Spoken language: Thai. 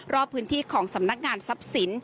รอบพื้นที่ของสำนักงานทรัพย์สิน